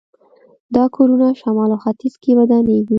دا کورونه شمال او ختیځ کې ودانېږي.